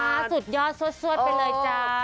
สุดยอดสวดไปเลยจ้า